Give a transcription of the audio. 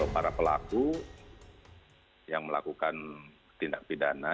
para pelaku yang melakukan tindak pidana